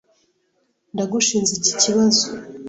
Ndagushinja iki kibazo.